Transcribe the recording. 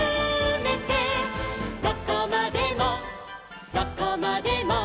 「どこまでもどこまでも」